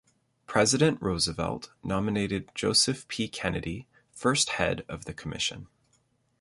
President Roosevelt nominated Joseph P. Kennedy first head of the Commission.